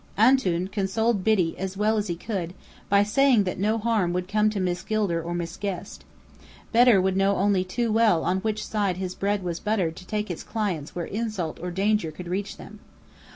"Antoun" consoled Biddy as well as he could, by saying that no harm would come to Miss Gilder or Miss Guest. Bedr would know too well on which side his bread was buttered to take his clients where insult or danger could reach them.